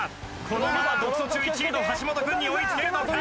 このまま独走中１位の橋本君に追いつけるのか？